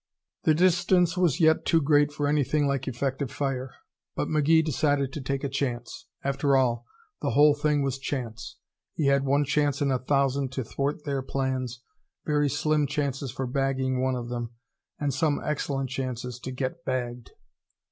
The distance was yet too great for anything like effective fire, but McGee decided to take a chance. After all, the whole thing was chance. He had one chance in a thousand to thwart their plans, very slim chances for bagging one of them, and some excellent chances to get bagged!